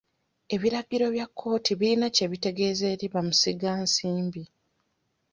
Ebiragiro bya kkooti birina kye bitegeeza eri bamusigansimbi.